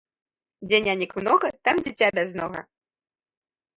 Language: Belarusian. Дзе нянек многа, там дзiця бязнога